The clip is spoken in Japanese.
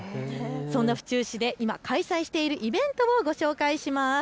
そんな府中市で今開催しているイベントをご紹介します。